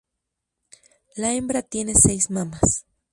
La hembra tiene seis mamas.